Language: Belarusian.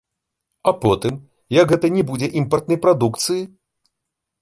А потым, як гэта не будзе імпартнай прадукцыі?